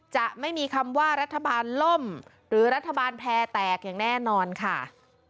จะไม่มีคำว่ารัฐบาลล่มหรือรัฐบาลแพร่แตกอย่างแน่นอนค่ะ